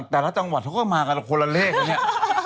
แต่ละจังหวัดเขาก็มากันคนละเลขนะเนี่ย